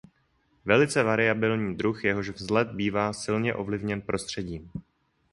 Velice variabilní druh jehož vzhled bývá silně ovlivněn prostředím.